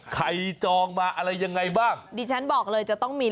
ใครจองมาอะไรยังไงบ้าง